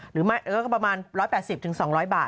หรือก็ประมาณ๑๘๐๒๐๐บาท